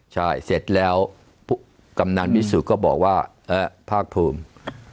ใช่เสร็จแล้วกำหนังวิศุกร์ก็บอกว่าเอ๊ะพากภูมิ